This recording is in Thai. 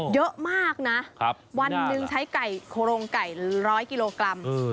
เยอะมากนะครับวันนึงใช้ไก่โครงไก่ร้อยกิโลกรัมอืม